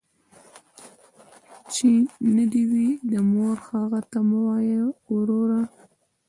ـ چې نه دې وي، د موره هغه ته مه وايه وروره.